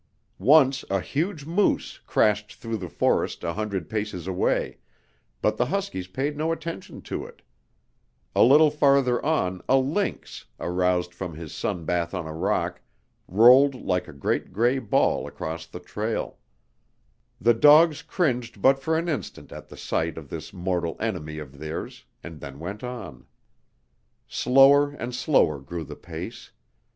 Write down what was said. Once a huge moose crashed through the forest a hundred paces away, but the huskies paid no attention to it; a little farther on a lynx, aroused from his sun bath on a rock, rolled like a great gray ball across the trail, the dogs cringed but for an instant at the sight of this mortal enemy of theirs, and then went on. Slower and slower grew the pace.